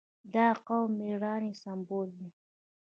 • دا قوم د مېړانې سمبول دی.